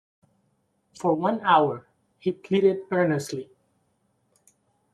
‘For one hour,’ he pleaded earnestly.